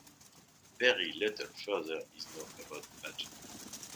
Very little further is known about the battle.